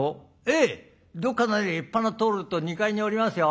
ええどっかの立派な棟梁と２階におりますよ。